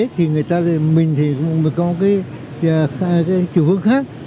mọi người có cái chủ hướng khác